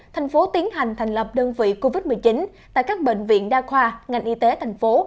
thành phố tiến hành thành lập đơn vị covid một mươi chín tại các bệnh viện đa khoa ngành y tế thành phố